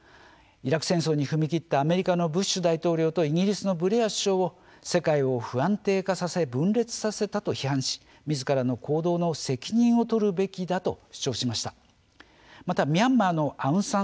イラク戦争に踏み切ったアメリカのブッシュ大統領とイギリスのブレア首相に世界を不安定化させ分裂させたと批判してみずからの行動の責任を取るべきだと批判しました。